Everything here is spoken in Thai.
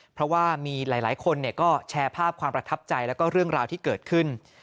เพราะว่ามีหลายคนก็แชร์ภาพความประทับใจแล้วก็เรื่องราวที่เกิดขึ้น